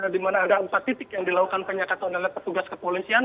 di mana ada empat titik yang dilakukan penyekatan oleh petugas kepolisian